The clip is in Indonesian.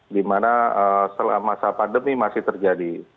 di mana selama masa pandemi masih terjadi